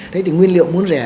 thế thì nguyên liệu muốn rẻ